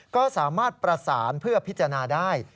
ก็สามารถประสานเพื่อพิจารณาได้